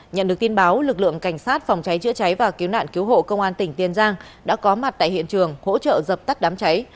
nhận được tin báo lực lượng cảnh sát phòng cháy chữa cháy và cứu nạn cứu hộ công an tỉnh tiền giang đã có mặt tại hiện trường hỗ trợ dập tắt đám cháy